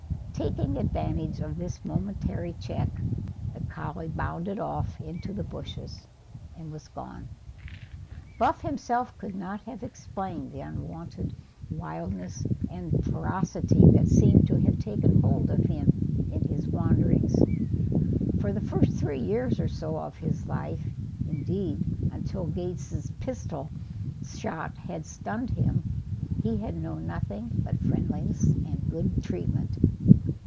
Taking advantage of this momentary check, the collie bounded off into the bushes and was gone. Buff himself could not have explained the unwonted wildness and ferocity that seemed to have taken hold of him in his wanderings. For the first three years or so of his life indeed, until Gates's pistol shot had stunned him he had known nothing but friendliness and good treatment.